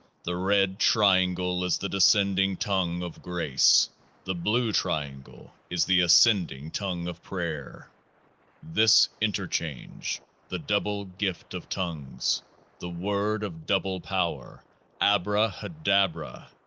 The Red Triangle is the descending tongue of grace ; the Blue Triangle is the ascending tongue of prayer This Interchange, the Double Gift of Tongues, the Word of Double Power— ABRAHA DABRA